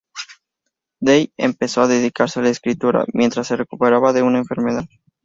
Dey empezó a dedicarse a la escritura mientras se recuperaba de una enfermedad.